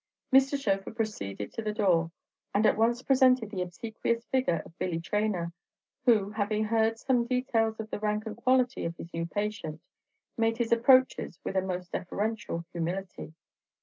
Mr. Schöfer proceeded to the door, and at once presented the obsequious figure of Billy Traynor, who, having heard some details of the rank and quality of his new patient, made his approaches with a most deferential humility.